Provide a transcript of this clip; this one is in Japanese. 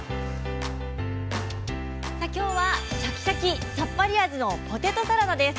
今日はシャキシャキさっぱり味のポテトサラダです。